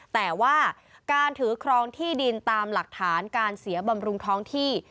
แต่ว่าการถือครองที่ดินตามหลักฐานการเสียบำรุงท้องที่